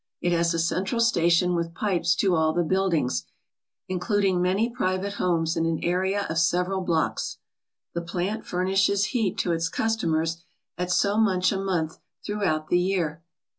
It has a central station with pipes to all the * buildings, including many private homes in an area of several blocks. The plant furnishes heat to its customers at so much a month 145 ALASKA OUR NORTHERN WONDERLAND throughout the year.